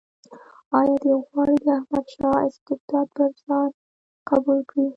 آیا دی غواړي د احمدشاه استبداد پر ځان قبول کړي.